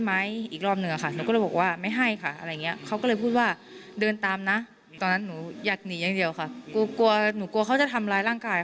ใช่แม่งครับแต่จริงแล้วคือเขาขาดีพี่เขาวิ่งตามเลยจริง